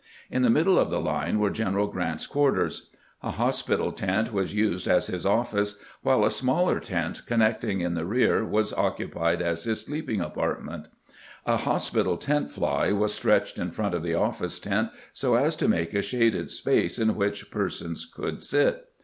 In the middle of the line were General Grant's quarters. A hospital tent was used as his ofS.ce, while a smaller tent connecting in the rear was occupied as his sleeping apartment. A hospital tent fly was stretched in front of the office tent so as to make a shaded space in which persons could sit.